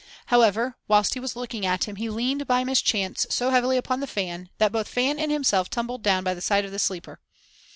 However, whilst he was looking at him, he leaned by mischance so heavily upon the fan, that both fan and himself tumbled down by the side of the sleeper.